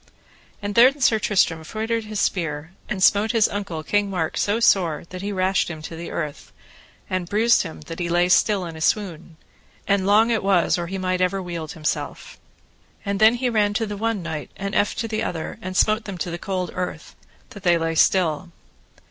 And then Sir Tristram feutred his spear, and smote his uncle, King Mark, so sore, that he rashed him to the earth, and bruised him that he lay still in a swoon, and long it was or ever he might wield himself. And then he ran to the one knight, and eft to the other, and smote them to the cold earth, that they lay still.